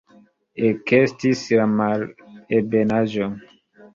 Ekestis la malebenaĵoj.